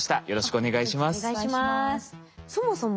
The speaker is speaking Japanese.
お願いします。